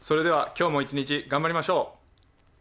今日も一日頑張りましょう。